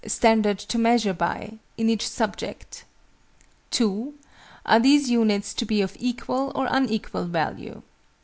_ "standard to measure by") in each subject? (2) Are these units to be of equal, or unequal value?